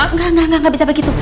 enggak enggak bisa begitu